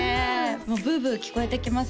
もうブーブー聞こえてきます